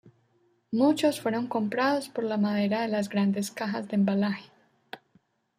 Muchos fueron comprados por la madera de las grandes cajas de embalaje.